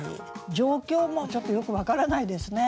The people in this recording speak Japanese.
状況もちょっとよく分からないですね。